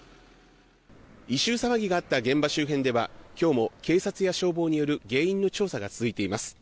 異臭騒ぎがあった現場周辺では今日も警察や消防による原因の調査が続いています。